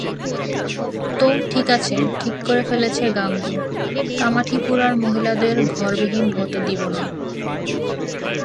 তো, ঠিক আছে, ঠিক করে ফেলেছে গাঙু, কামাঠিপুরার মহিলাদের ঘরবিহীন হতে দিবো না।